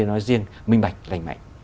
nói riêng minh bạch lành mạnh